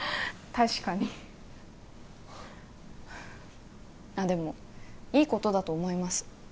確かにあっでもいいことだと思います